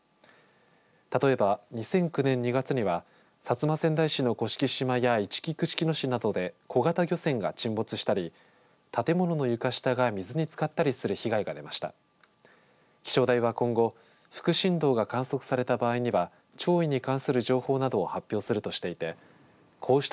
例えば２００９年２月には薩摩川内市の甑島やいちき串木野市などで小型漁船が沈没したり建物の床下が水につかったりする被害が出ました。